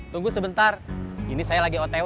tunggu sebentar ini saya lagi oto